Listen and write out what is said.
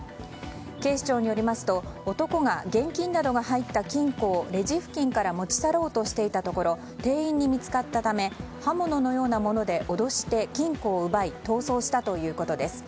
警視庁によりますと男が現金などが入った金庫をレジ付近から持ち去ろうとしていたところ店員に見つかったため刃物のようなもので脅して、金庫を奪い逃走したということです。